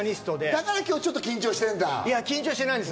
だから今日ちょっと緊張して緊張してないです。